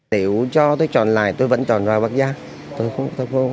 nếu cho tôi tròn lại tôi vẫn tròn vào bác giang